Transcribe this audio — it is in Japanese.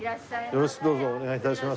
よろしくどうぞお願い致します。